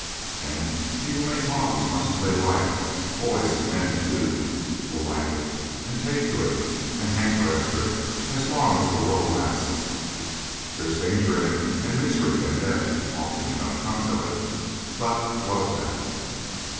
And people may talk as much as they like; boys, and men too, will like it, and take to it, and hanker after it, as long as the world lasts. There's danger in it, and misery, and death often enough comes of it, but what of that?